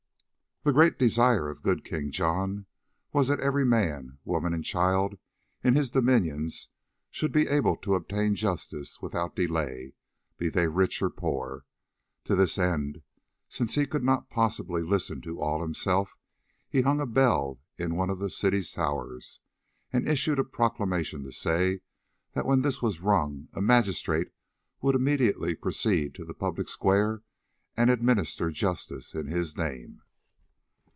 The great desire of good King John was that every man, woman and child in his dominions should be able to obtain justice without delay, be they rich or poor. To this end, since he could not possibly listen to all himself, he hung a bell in one of the city towers, and issued a proclamation to say that when this was rung a magistrate would immediately proceed to the public square and administer justice in his name.